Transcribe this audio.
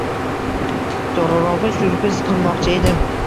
To`g`rirog`i, syurpriz qilmoqchi edim